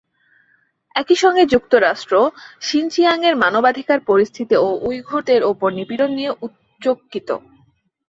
একই সঙ্গে যুক্তরাষ্ট্র শিনচিয়াংয়ের মানবাধিকার পরিস্থিতি ও উইঘুরদের ওপর নিপীড়ন নিয়ে উচ্চকিত।